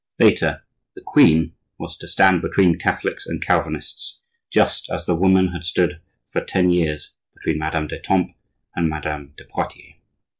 Later, the queen was to stand between Catholics and Calvinists, just as the woman had stood for ten years between Madame d'Etampes and Madame de Poitiers.